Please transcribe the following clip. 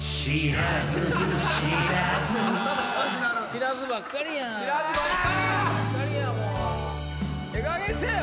「知らず」ばっかりやん！